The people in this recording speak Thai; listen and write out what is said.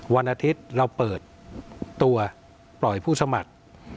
วันอาทิตย์เราเปิดตัวปล่อยผู้สมัคร